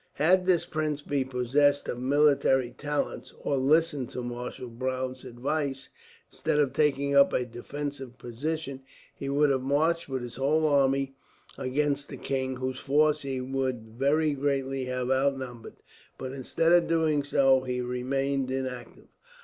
Had this prince been possessed of military talents, or listened to Marshal Browne's advice, instead of taking up a defensive position he would have marched with his whole army against the king, whose force he would very greatly have outnumbered; but instead of doing so, he remained inactive.